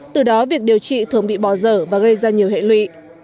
từ đó việc điều trị thường bị bỏ dở và gây ra nhiều hệ lụy